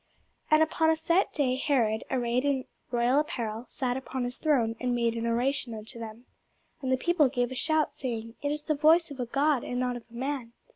And upon a set day Herod, arrayed in royal apparel, sat upon his throne, and made an oration unto them. And the people gave a shout, saying, It is the voice of a god, and not of a man.